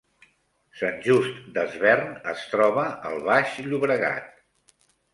Sant Just Desvern es troba al Baix Llobregat